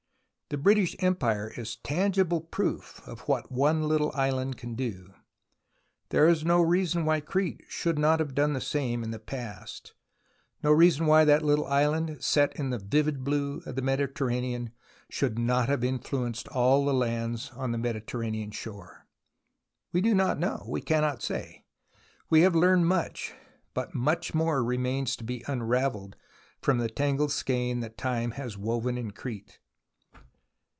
The British Empire is tangible proof of what 183 184 THE ROMANCE OF EXCAVATION one little island can do. There is no reason why Crete should not have done the same in the past, why that little island set in the vivid blue of the Mediterranean should not have influenced all the lands on the Mediterranean shore. We do not know. We cannot say. We have learned much, but more remains to be unravelled from the tangled skein that Time has woven in Crete.